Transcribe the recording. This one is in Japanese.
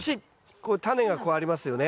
こうタネがこうありますよね。